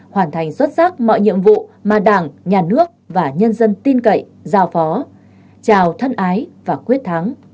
hoàn thành xuất sắc mọi nhiệm vụ mà đảng nhà nước và nhân dân tin cậy giao phó chào thân ái và quyết thắng